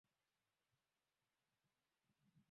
Kila goti lipigwe.